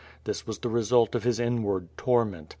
This was the result of his inward tor ment.